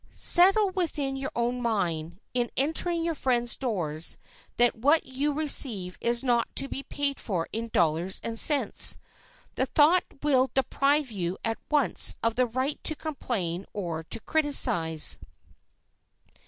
Settle within your own mind, in entering your friend's doors, that what you receive is not to be paid for in dollars and cents. The thought will deprive you at once of the right to complain or to criticize.